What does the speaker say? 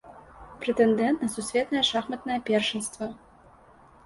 Прэтэндэнт на сусветнае шахматнае першынства.